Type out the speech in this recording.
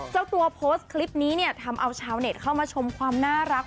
เจ้าตัวโพสต์คลิปนี้เนี่ยทำเอาชาวเน็ตเข้ามาชมความน่ารัก